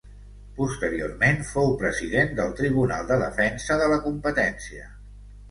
Posteriorment fou President del Tribunal de Defensa de la Competència.